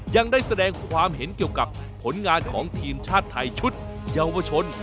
ยังได้แสดงความเห็นเกี่ยวกับผลงานของทีมชาติไทยชุดเยาวชน